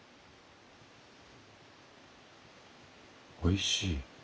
おいしい。